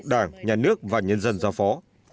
đảng nhà nước và nhân dân giao phó